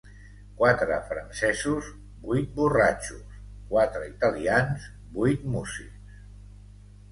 Quatre francesos, vuit borratxos; quatre italians, vuit músics.